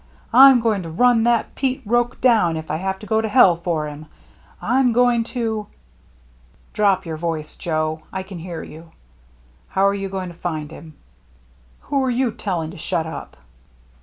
Fm going to run that Pete Roche down if I have to go to hell for him ! I'm going to —"" Drop your voice, Joe. I can hear you. How're you going to find him ?"" Who you telling to shut up